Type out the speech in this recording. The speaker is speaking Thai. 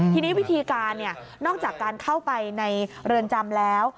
ทีนี้วิธีการนอกจากการเข้าไปในเรือนจำแล้ว